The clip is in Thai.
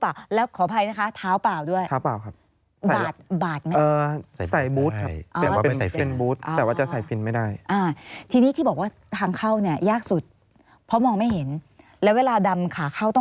ตั้งแต่ถงหนึ่งถงสามอยู่ตรงไหนคะที่แคบที่สุดเอาเรื่องความแคบก่อน